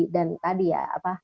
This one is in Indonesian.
dan tadi ya